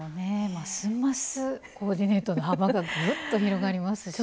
ますますコーディネートの幅がぐっと広がりますし。